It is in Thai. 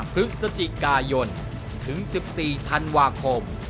พฤศจิกายนถึง๑๔ธันวาคม